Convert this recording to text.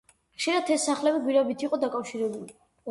ხშირად ეს სახლები გვირაბით იყო დაკავშირებული.